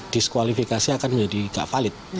diskualifikasi akan menjadi tidak valid